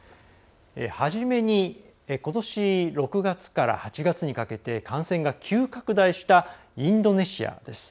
初めにことし６月から８月にかけて感染が急拡大したインドネシアです。